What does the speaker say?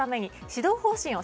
指導方針を